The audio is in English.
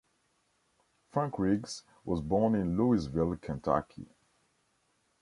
Frank Riggs was born in Louisville, Kentucky.